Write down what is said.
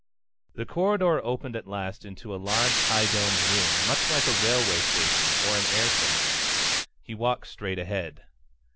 The corridor opened at last into a large high domed room, much like a railway station or an air terminal. He walked straight ahead.